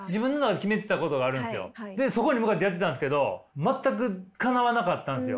でそこに向かってやってたんですけど全くかなわなかったんすよ。